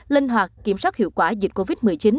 linh hoạt kiểm soát hiệu quả dịch covid một mươi chín